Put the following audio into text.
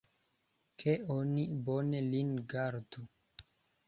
Ke oni bone lin gardu!